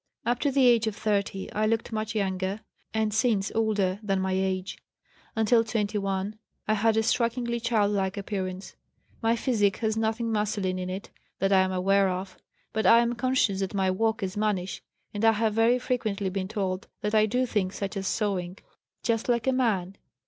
Up to the age of 30 I looked much younger, and since older, than my age. Until 21 I had a strikingly child like appearance. My physique has nothing masculine in it that I am aware of; but I am conscious that my walk is mannish, and I have very frequently been told that I do things such as sewing, 'just like a man.'